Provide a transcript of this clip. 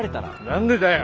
何でだよ。